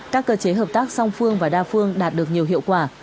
các cơ chế hợp tác song phương và đa phương đạt được nhiều hiệu quả